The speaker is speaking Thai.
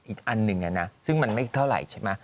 อีกอันนึงอะนะซึ่งมันไม่ได้เท่าไหร่ใช่ไหม